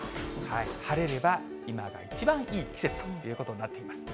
晴れれば今が一番いい季節ということになってきます。